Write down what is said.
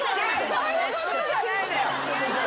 そういうことじゃないの。